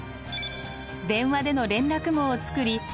電話での連絡網を作り